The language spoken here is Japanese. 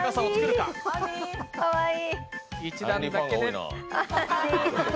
かわいい。